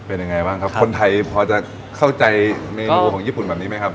เป็นยังไงบ้างครับคนไทยพอจะเข้าใจเมนูของญี่ปุ่นแบบนี้ไหมครับ